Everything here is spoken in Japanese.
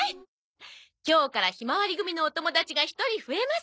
今日からひまわり組のお友達が１人増えます。